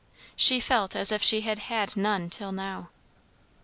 She felt as if she had had none till now.